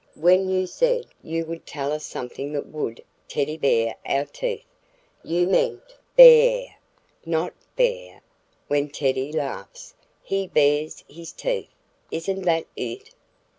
When you said you would tell us something that would 'Teddy Bear' our teeth, you meant b a r e, not b e a r. When Teddy laughs, he bares his teeth. Isn't that it?"